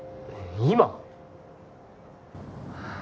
今？